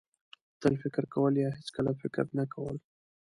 تل فکر کول یا هېڅکله فکر نه کول.